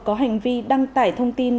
có hành vi đăng tải thông tin